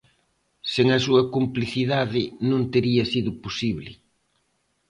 Sen a súa complicidade non tería sido posible.